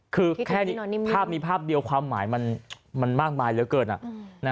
คือแค่นี้ภาพนี้ภาพเดียวความหมายมันมากมายเหลือเกิน